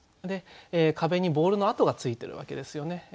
で壁にボールの跡がついてるわけですよね。